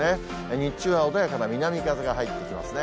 日中は穏やかな南風が入ってきますね。